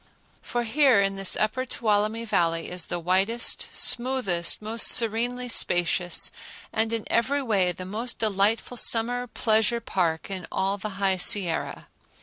For here in this upper Tuolumne Valley is the widest, smoothest, most serenely spacious, and in every way the most delightful summer pleasure park in all the High Sierra.